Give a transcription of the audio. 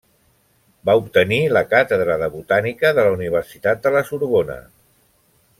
Va obtenir la càtedra de botànica de la Universitat de la Sorbona.